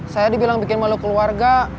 saya dibilang bikin malu keluarga